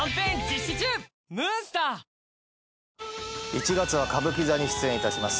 １月は歌舞伎座に出演いたします。